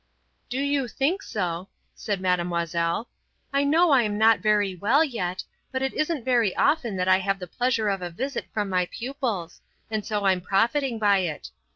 "Do you think so," said Mademoiselle, "I know I'm not very well yet, but it isn't very often that I have the pleasure of a visit from my pupils, and so I'm profiting by it.